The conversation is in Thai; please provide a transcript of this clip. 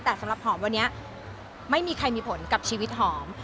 แต่สำหรับหอมวันนี้ไม่มีใครมีผลกับชีวิตหอม